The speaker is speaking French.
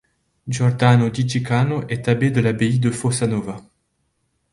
Giordano di Ceccano est abbé de l'abbaye de Fossanova.